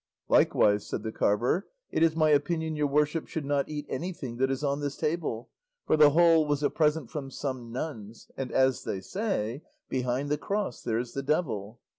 "Likewise," said the carver, "it is my opinion your worship should not eat anything that is on this table, for the whole was a present from some nuns; and as they say, 'behind the cross there's the devil.